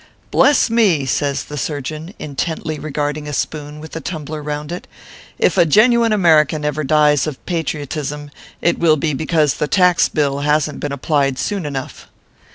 " Bless me !" says the surgeon, intently regarding a spoon with a tumbler round it, " if a genuine American ever dies of patriotism it will be because the Tax Bill hasn t been applied soon enough."